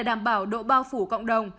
đảm bảo độ bao phủ cộng đồng